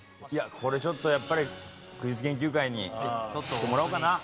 これちょっとやっぱりクイズ研究会にいってもらおうかな？